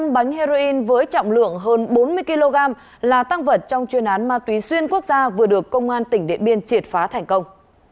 một mươi bánh heroin với trọng lượng hơn bốn mươi kg là tăng vật trong chuyên án ma túy xuyên quốc gia vừa được công an tỉnh điện biên triệt phá thành công